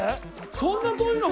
そんな遠いの？